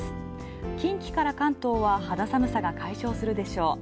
近畿から関東は肌寒さが解消するでしょう。